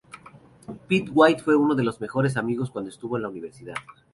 Pete White fue uno de los mejores amigos cuando estuvo en la universidad.